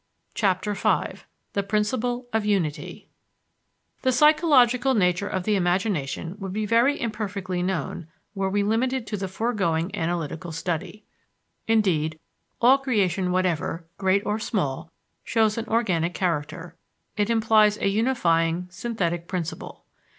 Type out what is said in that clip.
CHAPTER V THE PRINCIPLE OF UNITY The psychological nature of the imagination would be very imperfectly known were we limited to the foregoing analytical study. Indeed, all creation whatever, great or small, shows an organic character; it implies a unifying, synthetic principle.